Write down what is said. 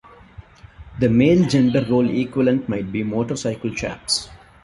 The male gender role equivalent might be motorcycle chaps.